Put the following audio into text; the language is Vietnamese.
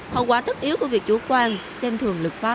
hậu quả tất yếu của việc chủ quan xem thường lực pháp